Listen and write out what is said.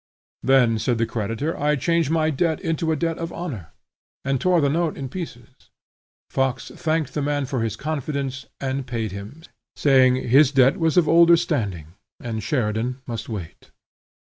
"Then," said the creditor, "I change my debt into a debt of honor," and tore the note in pieces. Fox thanked the man for his confidence and paid him, saying, "his debt was of older standing, and Sheridan must wait."